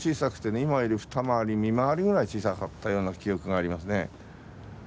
今より二回り三回りぐらい小さかったような記憶がありますね。